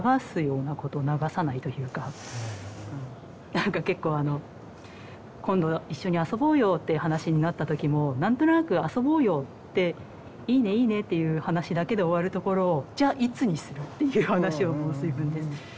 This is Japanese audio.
なんか結構あの「今度一緒に遊ぼうよ」っていう話になった時も何となく「遊ぼうよ」って「いいねいいね」っていう話だけで終わるところを「じゃいつにする？」っていう話をもうするんです。